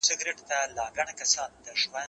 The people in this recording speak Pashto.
خبري د مور له خوا اورېدلي کيږي!.